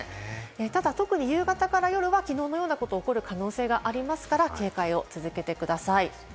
ただ特に夕方から夜はきのうのようなことが起こる可能性がありますから、警戒を続けてください。